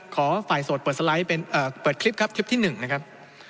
ขอฝ่ายโสดเปิดคลิปครับคลิปที่๑นะครับ